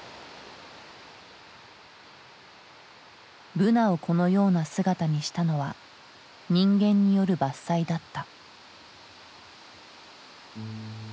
ブナをこのような姿にしたのは人間による伐採だった。